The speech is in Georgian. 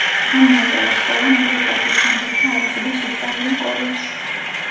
მან მიატოვა სკოლა მერვე კლასის შემდეგ და არასოდეს უსწავლია კოლეჯში.